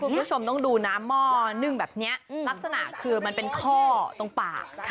คุณผู้ชมต้องดูนะหม้อนึ่งแบบนี้ลักษณะคือมันเป็นข้อตรงปาก